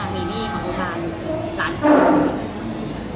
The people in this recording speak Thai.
มีหนี้ของโรงพยาบาล